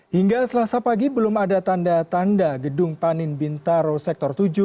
hingga selasa pagi belum ada tanda tanda gedung panin bintaro sektor tujuh